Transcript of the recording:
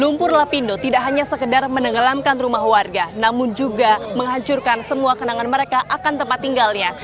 lumpur lapindo tidak hanya sekedar menenggelamkan rumah warga namun juga menghancurkan semua kenangan mereka akan tempat tinggalnya